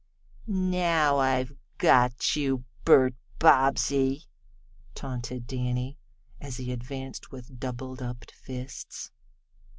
"Now I've got you, Bert Bobbsey!" taunted Danny, as he advanced with doubledup fists.